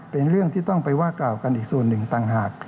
เป็นเรื่องที่ต้องไปว่ากล่าวกันอีกส่วนหนึ่งต่างหาก